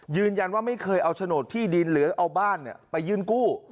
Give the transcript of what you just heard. ไม่เคยเอาโฉนดที่ดินหรือเอาบ้านไปยื่นกู้